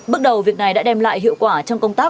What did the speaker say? bước đầu việc này đã đem lại hiệu quả